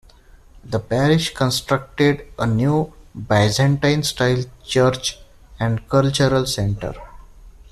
The parish constructed a new Byzantine style church and cultural center.